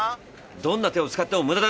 どんな手を使っても無駄だ。